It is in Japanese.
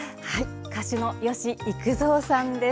歌手の吉幾三さんです。